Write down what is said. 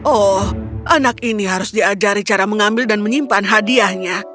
oh anak ini harus diajari cara mengambil dan menyimpan hadiahnya